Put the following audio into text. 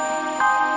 dan pel kuliah lain